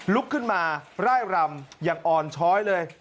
ลุกขึ้นมาร่ายรำอย่างอ่อนช้อยเลย